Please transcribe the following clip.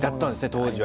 当時は。